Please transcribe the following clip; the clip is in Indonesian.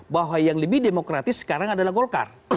bahwa yang lebih demokratis sekarang adalah golkar